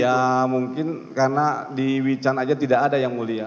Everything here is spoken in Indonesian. ya mungkin karena di wecan aja tidak ada yang mulia